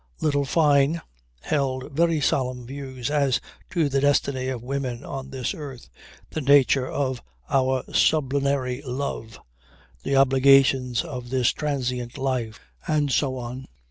Little Fyne held very solemn views as to the destiny of women on this earth, the nature of our sublunary love, the obligations of this transient life and so on.